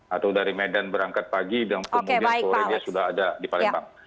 atau dari medan berangkat pagi dan kemudian sore dia sudah ada di palembang